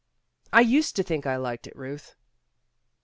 ' 'I used to think I liked it, Euth."